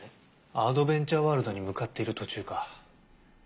アドベンチャーワールドに向かっている途中か。